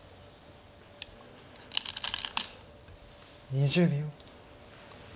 ２０秒。